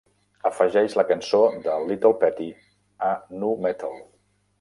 Afegeix la cançó de Little Patie a Nu Metal.